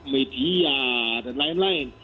media dan lain lain